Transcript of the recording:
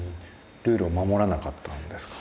ルールを守らなかったんですか？